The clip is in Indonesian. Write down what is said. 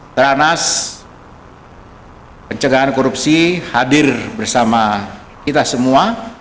teranas pencegahan korupsi hadir bersama kita semua